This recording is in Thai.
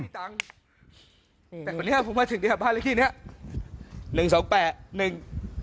แต่วันนี้ฮะผมมาถึงเดี๋ยวฮะบ้านเล็กที่เนี้ยหนึ่งสองแปดหนึ่ง